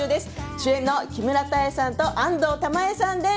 主演の木村多江さんと安藤玉恵さんです。